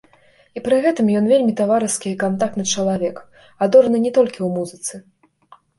І пры гэтым ён вельмі таварыскі і кантактны чалавек, адораны не толькі ў музыцы.